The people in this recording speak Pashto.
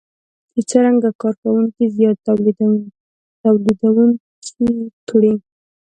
چې څرنګه کار کوونکي زیات توليدونکي کړي.